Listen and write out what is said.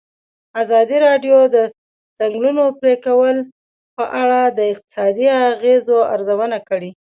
ازادي راډیو د د ځنګلونو پرېکول په اړه د اقتصادي اغېزو ارزونه کړې.